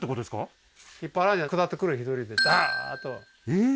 えっ？